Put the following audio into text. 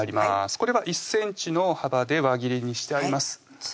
これは１ｃｍの幅で輪切りにしてあります先生